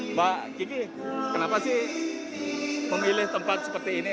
mbak kiki kenapa sih memilih tempat seperti ini